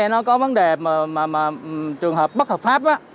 nó có vấn đề mà trường hợp bất hợp pháp